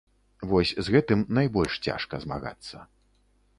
Вось з гэтым найбольш цяжка змагацца.